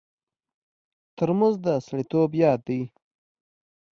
ترموز د سړیتوب یاد دی.